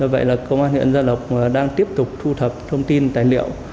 vậy là công an huyện gia lộc đang tiếp tục thu thập thông tin tài liệu